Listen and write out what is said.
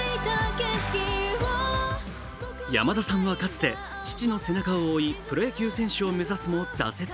山田さんはかつて、父の背中を追いプロ野球選手を目指すも挫折。